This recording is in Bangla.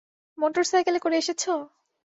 মোটর সাইকেলে করে এসেছ?